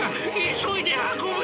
急いで運べ！